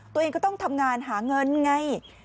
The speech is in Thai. ตัวเองก็ต้องทำงานหาเงินไง